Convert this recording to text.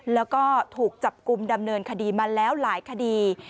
แล้วก็ถูกจับกลุ่มดำเนินคดีมาแล้วหลายคดี